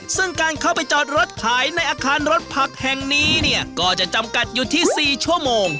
ซึ่งการเข้าไปจอดรถขายในอาคารรถผักแห่งนี้เนี่ยก็จะจำกัดอยู่ที่๔ชั่วโมง